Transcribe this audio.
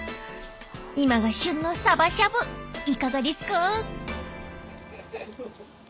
［今が旬のさばしゃぶいかがですか？］